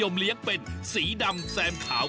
ว้าว